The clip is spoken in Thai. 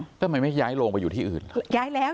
ก็ทำไมไม่ย้ายลงไปอยู่ที่อื่น